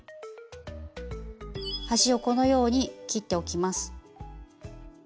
端をこのように切っておきます。